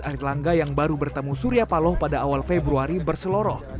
erlangga yang baru bertemu surya paloh pada awal februari berseloroh